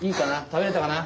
食べれたかな。